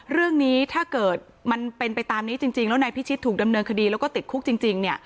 เรื่องนี้ถ้าเกิดมันเป็นไปตามนี้จริงแล้วนายพิชิตถูกดำเนินคดีแล้วก็ติดคุกจริงเนี่ย